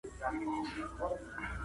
موږ د انار په خوړلو بوخت یو.